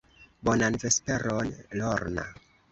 Bonan vesperon, Lorna.